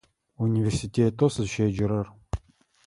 Университетэу сызыщеджэрэр.